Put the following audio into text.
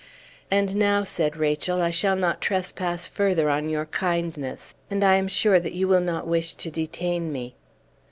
"And now," said Rachel, "I shall not trespass further on your kindness, and I am sure that you will not wish to detain me."